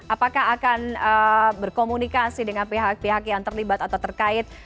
apakah akan berkomunikasi dengan pihak pihak yang terlibat atau terkait